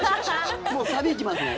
もうサビ行きますね。